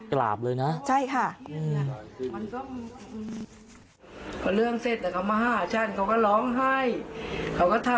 กราบเลยนะใช่ค่ะ